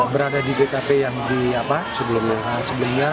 berada di tkp yang sebelumnya